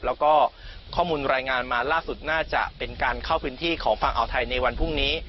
แล้วก็ข้อมูลรายงานมาล่าสุดน่าจะเป็นการเข้าพื้นที่ของฝั่งอ่าวไทยในวันพรุ่งนี้